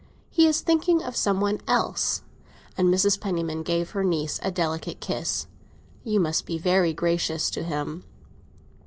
He is thinking of some one else." And Mrs. Penniman gave her niece a delicate little kiss. "You must be very gracious to him."